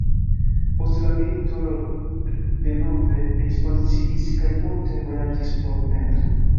Post la milito le denove ekspoziciis kaj multe vojaĝis por pentri.